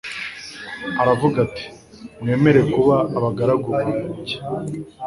Aravuga ati « Mwemere kuba abagaragu barijye."